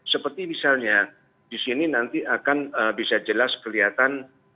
seperti misalnya di sini nanti akan bisa jelas kelihatan